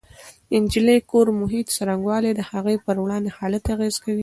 د نجلۍ د کور د محیط څرنګوالی د هغې پر رواني حالت اغېز کوي